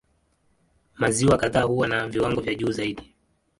Maziwa kadhaa huwa na viwango vya juu zaidi.